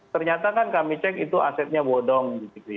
ternyata kan kami cek itu asetnya bodong